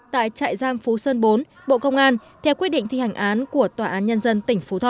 tại trại giam phú sơn bốn bộ công an theo quyết định thi hành án của tòa án nhân dân tỉnh phú thọ